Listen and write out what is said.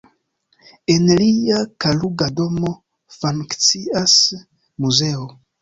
En lia Kaluga domo funkcias muzeo.